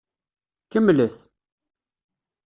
Kemmlet.